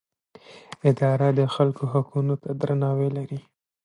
اداره د خلکو حقونو ته درناوی لري.